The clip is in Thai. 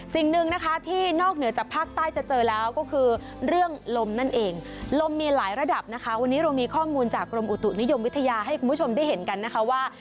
สิ่งหนึ่งนะคะที่นอกเหนือจากภาคใต้จะเจอแล้วก็คือเรื่องลมนั่นเองลมมีหลายระดับนะคะวันนี้เรามีข้อมูลจากกรมอุตุนิยมวิทยาให้คุณผู้ชมได้เห็นกันนะคะว่า